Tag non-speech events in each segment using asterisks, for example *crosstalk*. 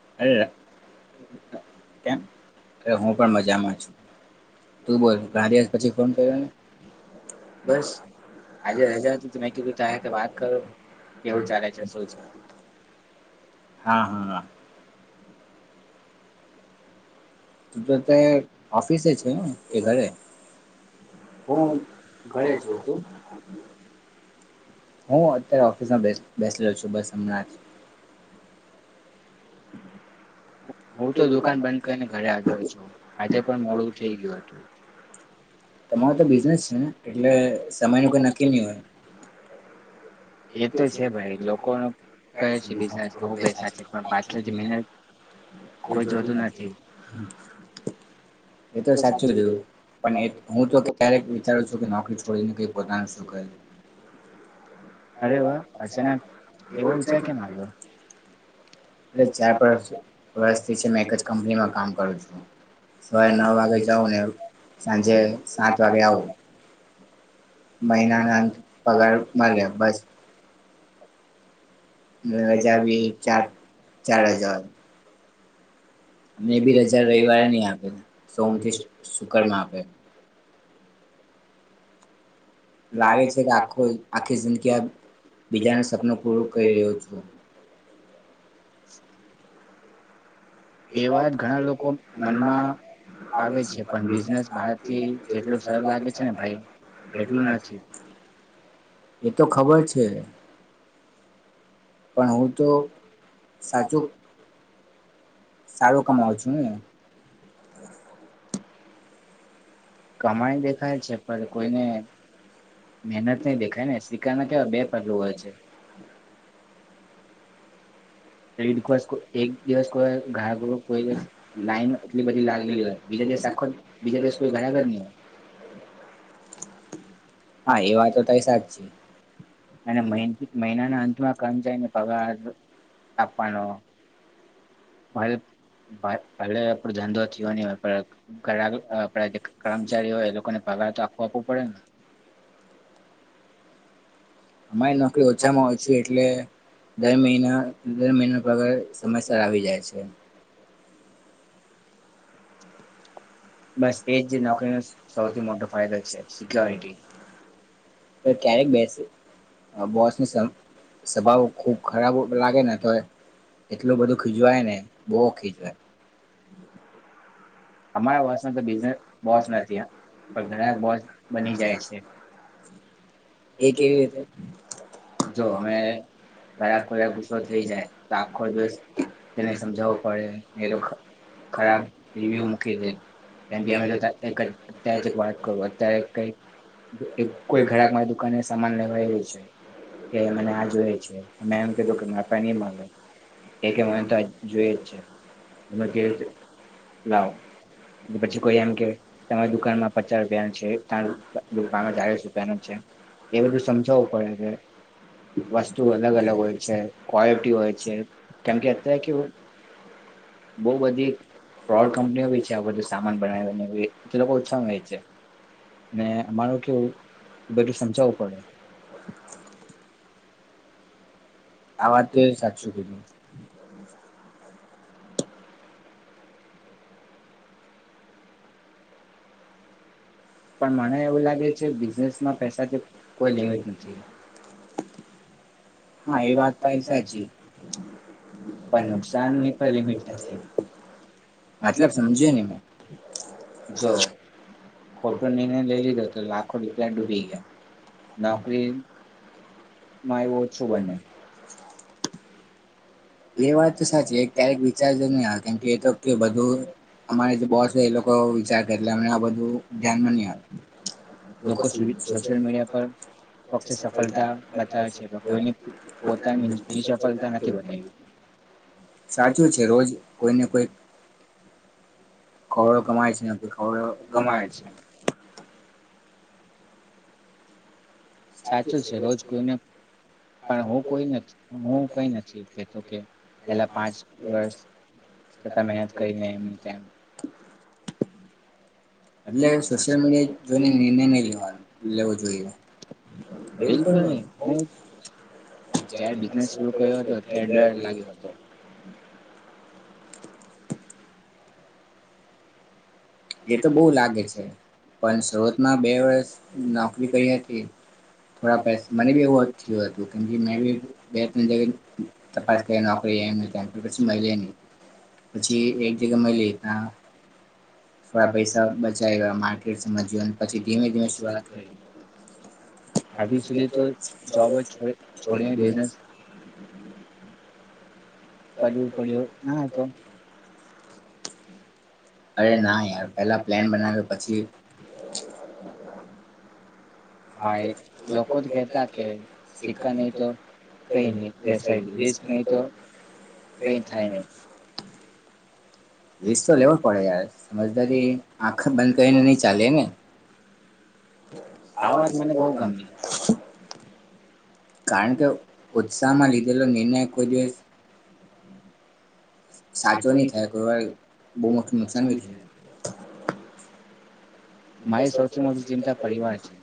હ *unintelligible* અરે હું પણ મજામાં છું, તું બોલ ઘ દિવ પછી ફોન કર્યો ને. બસ. આ હજા તમે કધું ક તો વાતો કેવું જાણ છે. *unintelligible* હા હા હ. તો અત્યારે ઓફિસે છે કે ઘરે? હમ ઘરે છ *unintelligible* હું અત્યારે ઓફિસમાં બેસીલો છું બસ હમણાં. હું તો દુકાન બંધ કરીને ઘરે આવ છું, આજે પણ મોડું થઈ ગયું હતું. તમારો તો બિઝનેસ છે ને એટલે સાન લોકો નથી. એ તો છે ભાઈ લોકો ક છે પસા પાછ જ. એ જો નથી, એતો સાચું જોવું. પણ હું તો ક્યારેક વિચારું છું કે નોકરી છોડીને કઈ પોતાનું શું કરે. અરે વા અર્ચના એવો વિચાર કેમ હ્યો? એટ ચાર પાંસ વર્ષથી છે મેં એક જ કંપનીમાં કામ કરું છું. સવા નવ વાગે જવું ને સાંજે સાત વાગે આવું. મહિનાના અંત પગાર મળ્યા બસ. બે હજાર બી ચાર ચાર હજાર. અને બી રજા રવિવારે નહી આપે, સોમ થી શુકર માં આપે. લાગે છે કે, આખો આખી જિંદગી આ બીજાને સપનું પૂરું કરી રહ્યો છું. એવા ઘણા લોકો મનમાં આવે છે, બને. જેટ સર લાગે છે, ઈટલું નથી. એ તો ખબર છે. પણ હું તો સાચું. સારું કમાવ છું. કમાઈ દેખાય છે, પણ કોઈને મહેનત નઈ દેખાય ને, સિક્કા ના કેવા બે પહેલું હોય છે. એક દિવસ કો ઘઈવ લાઈન, એટલી બધી લાગેલી હોય, બીજા દિવસ આખો બીજા દેશ કોઈ ઘડાગર ન હોય. હા, એ વાતો તો સારી છે, અને મન મહિનાના અંતમાં કમ જાયને, પગાર આપવાનો. ભ ભલે પણ ધંધો થયો નહી હોય, પણ ઘ આપ જે કર્મચારી હોય, એ લોકોને પગાર તો આખું આપવું પડે ને. અમારી નોકરી ઓછામાં ઓછી એટલે દર મહિના, દર મહિના પગાર સમયસર આવી જાય છે. બસ એ જ સૌથી મોટો ફાયદો છે, સિક્યોરિટી. ક્યારેક બેસે. બોસની સ્વભાવ ખૂબ ખરાબ લાગે ને, તો એ એટલું બધું ખીજવાય ને, બહુ ખીજવાય. અમારા વર્ષમાં તો બિઝને બોસ નથી, પણ ઘણા બોસ બની જાય છે. એક એવી રીતે જો અમે ખરાક ખોરાક ગુસ્સો થઈ જાય, તો આખો દિવસ તેને સમજાવવો પડે, એ તો ખરાબ રિવ્યુ. *inaudible* *unintelligible* *unintelligible* *unintelligible* પછી કોઈ એમ કે, તમારી દુકાનમાં પચાસ રૂપિયા ની છે, ચાલીસ રૂપિયા ની છે. એ બધું સમજાવવું પડે કે. વસ્તુ અલગ અલગ હોય છે, ક્વલિટી હોય છે, કેમ કે અત્યારે કે. બહુ બધી ફ્રોડ કંપનીઓ બી છે, આ બધું સામાન બનાવીને તે લોકો ઓછામાં વહે છે ને, અમારું કેવું બધું સમજાવવું પડે. આ વાત તો સાચી કીધી. પણ મને એવું લાગે છે, બિઝનેસ માં પૈસાથી કોઈ લિમિટ નથી. હા, એ વાત તો એલ સાચી. *unintelligible* મતલબ સમજીયું ને, મે જો *unintelligible* ના એવું જ છું, બંને એ વાત સાચી ક્યારેક વિચાર જ નહી, આ કેમકે એ તો કે બધું અમારા જે બોસ એ લોકો વિચાર કરે, એમને આ બધું ધ્યાનમાં નહીં આવે. લોકો સોશિલ મીડિયા પર પ સફળતા બતાવે છે, સફતા નથી બ સાચું છે રોજ કોઈને કોઈ ખવડો ગમાય છે ખવડો ગમાય છે. સાચું છે રોજ કોઈને પણ હું કોઈ નથી હું કઈ નથી કેતો કે, પેલા પાંચ વર્ષ તાં મહેનત કરીને એ તેમ. એટલે સોશિયલ મીડિયા જોઈને નિર્ણય નહી લેવા, લેવો જોઈએ. એ પણ *unintelligible* *unintelligible* જે તો બહુ લાગે છે, પણ સુરતમાં બે વર્ષ નોકરી કરી હતી. થોડા પૈસા મને બી એવું જ થયું હતું કેમ કે મેં બી બે ત જગ- તપાસ કરી નોકરી એ પછી લેહી, પછી એક જગ્યા લે ત થોડા પૈસા બચાવ માર્કેટ સમજ પછી ધીમે ધીમે શું વાત કરી. *unintelligible* પડું પડ્યું ના તો અરે ના યાર પેલા પ્લેન બનાવ્યો પછી હા એ રપત ગ સિકન તો *unintelligible* *unintelligible* વીસ તો લેવો પડે યાર, સમજદારી આંખ બંધ કરીને નઈ ચાલે ને. આવવાને બહ ગમી. કારણ કે ઓછામાંલીધેલો નિર્ણય કોઈ કોઈ દિવસ સાચો નહી થાય કોઈ વાર બહુ મોું નુકસાન બી થઈ જાય. મારી સૌથી મોટી ચિંતા પરિવાર છે.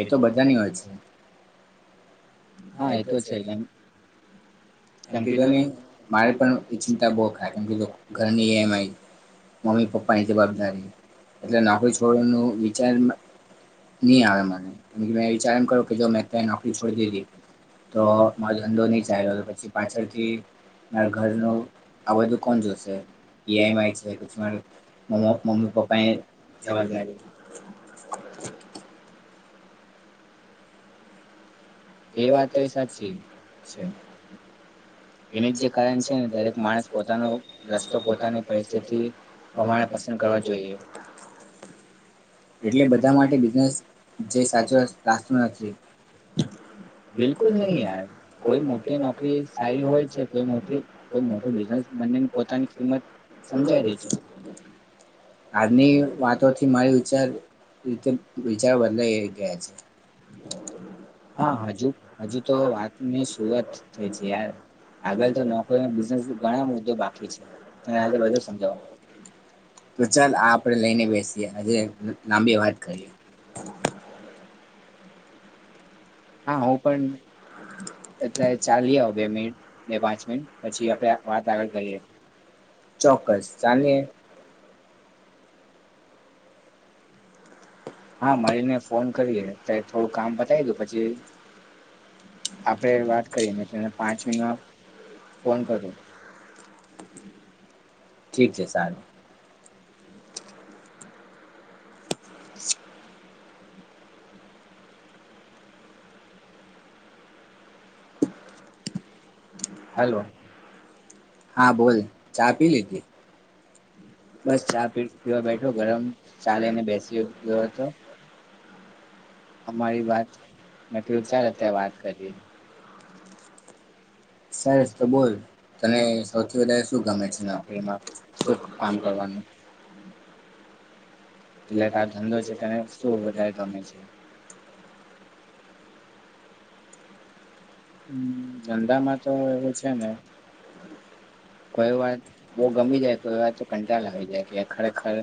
એ તો બધાની હોય છે. હા એ તો છે ને. કેમ કીધો ને મારે પણ એ ચિંતા બહુ ખાય કેમ કધ ઘરની ઈ એમ આઈ. મમ્મી પપ્પાની જવાબદારી, એટલે નોકરી છોડવાનું વિચાર નહી આવે મને, કે મે વિચાર એમ કરો કે જો મેં ત્યા નોકરી છોડી દીધી. તો મારો ધંધો નહીં ચાાલ્યો પછી પાછળથી મારા ઘરનું આ બધું કોણ જોશે. એ છે મ્ મમ્મી પપ્પા એ જવા જ એ વાત તો સાચી *unintelligible* એ જે કાર છે દરેક માણસ પોતાના રસ્તો પોકારની પરિથિતિ અમારા પાછી થ જોઈએ. એટલે બધા માટે બિઝનેસ જે સાચો રાસ્તો નથી. બિલકુલ નહી યાર, કોઈ મોટે એ કોઈ બિઝનેસમેન *unintelligible* આજની વાતો થી મારી વિચાર રીતે વિચાર બદલાય ગયા છે. હા હજુ તો વાત શરૂઆત થઈ છે, યર *unintelligible* આગળ તો ન ઘણું બધું બાકી છે, - *unintelligible* તો ચાલ આ આપડે લઈને બેસીએ, આજે લાંબી વાત કરીએ. હા હું પણ અત્યારે ચાલી આવ બે મિનિટ બે પાંચ મિનિટ પછી આપણે વાત આગળ કરીએ. ચોક્કસ ચાલની. હા મારીને ફોન કરું કામ કરતા પછી આપે દ થઈ ગ પાચ ફોન કરુ - *unintelligible* *inaudible* ઠીક છે, સાહેબ. *unintelligible* હલો, હા, બોલ, ચા પીલી. હા, ચા પી ગરમ ચાલે, બેસી હતો. અમારી વાત મે ચાલ, અત્યારે વાત કરી. સરસ તો બોલ, તને સૌથી વધારે શું ગમે છે? એટલે આ ધંધો છે, તેને શું વધારે ગમે છે? હમ, ધંધામાં તો એવું છે ને. કોઈ વાત બહુ ગમી જાય, કોઈ વાર તો કંટાાલ આવી જાય, કે ખરેખર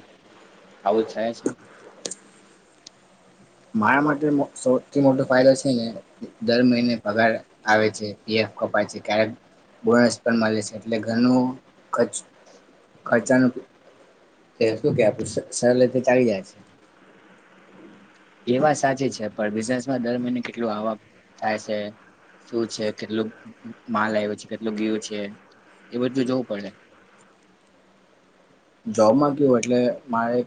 આવું જ થાય છે. મારા માટે સૌથી મોટો ફાયદો છે ને, દર મહિને પગાર આવે છે, પએફ કપાય છે ક્યારેક બોનસ પણ મળે છે, એટલે ઘનું ખર્ચ ખર્ચાનું તે શું કે, આપડું સરળ રીતે ચાલી જાય છે. એ વાત સાચી છે, પણ બિઝનેસમાં દર મહિને કેટલું આવક થાય છે? શું છે? કેટલું માલ આવ્યો છે, કેટલું ગીવ છે, એ બધું જોવું પડે. જોબમાં. હું એટલે મારે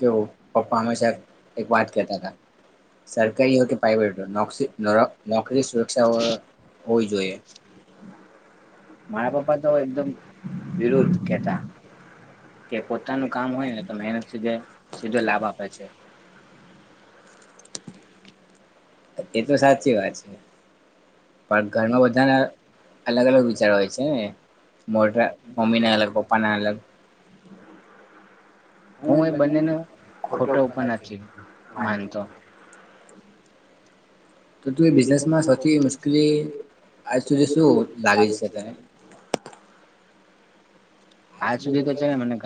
કેવું પપ્પા હંમેશા એક વાત કહેતા હતા. સરકારી હો, કે પ્રાઇવેટ નોકરી સુરક્ષા હ જ. મારા પપ્પા તો એકદમ વિરુદ્ધ કેતા. કે પોતાનું કામ થાય ને, તોધ સીધ લાભ આપે છે. એ તો સાચી વાત છે. પણ ઘરમાં બધાના અલગ-અલગ વિચારો હોય છે ને. મોટા મમ્મી ના અલગ, પપ્પા ના અલગ. હું એ બધું ખોટ પણ નથી. તો તું એ બિઝનેસમાં સૌથી મુશ્કેલી આજ સુધી શું લાગી જશે તને? આજ સુધી તો છે ને, મને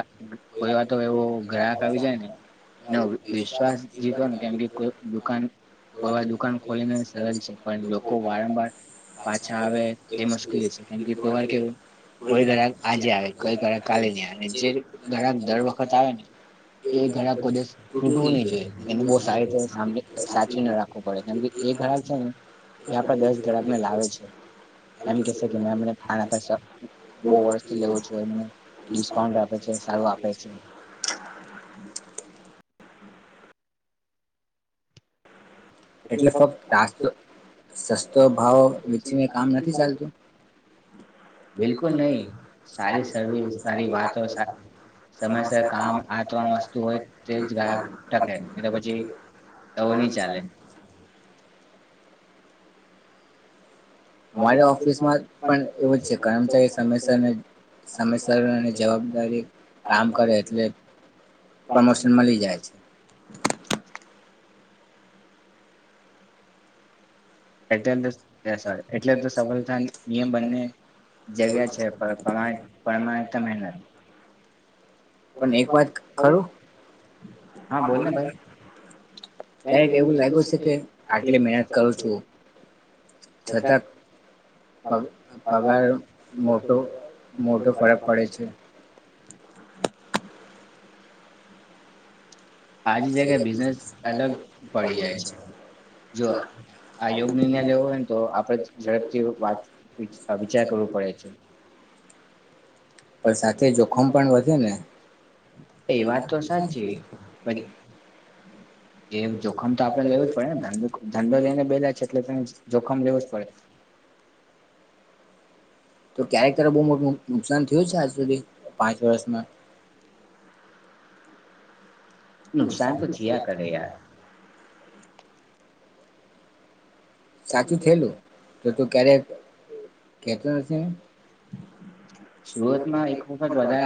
કોઈ વાતો એવો ગ્રાહક આવી જાય ને ના વિશ્વાસ જીતો ને, કેમ કે કોઈ દુકાન કોઈ દુકાન ખોલીને સરજ છે, પણ લોકો વારંવાર પાછા આવે. એ મુશ્કેલી છે, કેમ કે વાર કે કોઈ ઘર આજે આવે. કઈ ગઈકાલે ન અને જે ઘક દર વખત આવે ને. એ ઘણા કોઈ દિવસે તૂટવું નહી જોઈએ, એનું બહુ સારી રીતે સા સાચવીને રાખવું પડે, કેમ કે તે ગ્રાહક છે ને, એયા પણ દસ ઘડાક ને લાવે છે. એમ કેસે કે એમને આના પાછે બહુ વર્ષથી લેવો છું, એ છે. *unintelligible* એટલે ફક્ત સસ્તો ભાવ વેચીને કામ નથી ચાલતું. બિલકુલ નહી, સારી સાર સારી વાતો. સમયસર કામ હોય, એક *unintelligible* તોવ નહી ચાલે. અમારે ઓફિસમાં પણ એવું જ છે, કર્મચારી સમયસરને સમયસર અને જવાબદારી કામ કરે, એટલે પ્રમોશન મળી જાય છે. *unintelligible* એટલે તો સફળતા નિમ બંને જગ્યા છે, પણમા પ્રમાણ મહેનત પણ એક વાત ખરું. કક એવું લાગ્યું છે કે આટલી મહેનત કરું છું, છતાં પગ પગાર મોટો મોટો ફરક પડે છે. આજ જગ્યાએ બિઝનેસ અલગ પડી જાય છે. જો આ યોગ નિર્ણય લેવો હોય ને તો આપડે ઝડપથી વાત વિ વિચાર કરવો પડે છે. પણ સાથે જોખમ પણ વધે ને. એ વાત તો સાચી, પણ એ જોખમ તો આપણે લેવું જ પડે ને ધ ધંધો લઈને બેઠા છે એટલે જોખમ લેવું જ પડે. તો ક્યારેક ક્યારે બહુ મોટું નુકસાન થયું છે આજ સુધી પાંચ વર્ષમાં. નુકસાન તો થિયા કરે યાર. સાચું થયેલું, તો તું ક્યારે કેતો નથી. સુરત એક જ